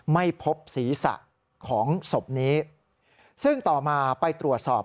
ไม่พบศีรษะของศพนี้ซึ่งต่อมาไปตรวจสอบ